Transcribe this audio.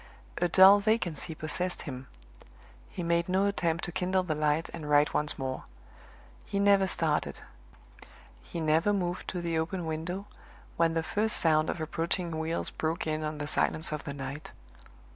A dull vacancy possessed him; he made no attempt to kindle the light and write once more. He never started; he never moved to the open window, when the first sound of approaching wheels broke in on the silence of the night.